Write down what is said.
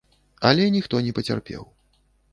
Але ніхто не пацярпеў.